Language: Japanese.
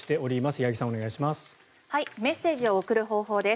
八木さん、お願いします。